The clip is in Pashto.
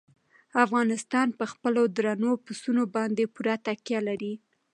افغانستان په خپلو درنو پسونو باندې پوره تکیه لري.